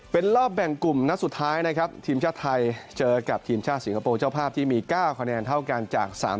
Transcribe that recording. เป็นรอบแบ่งกลุ่มนัดสุดท้ายนะครับทีมชาติไทยเจอกับทีมชาติสิงคโปร์เจ้าภาพที่มี๙คะแนนเท่ากันจาก๓๐